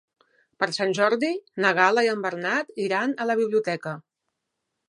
Per Sant Jordi na Gal·la i en Bernat iran a la biblioteca.